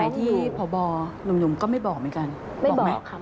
สมัยที่พ่อบ่อหนุ่มก็ไม่บอกเหมือนกัน